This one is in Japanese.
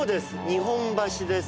日本橋です。